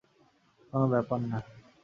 কোনো ব্যাপার না।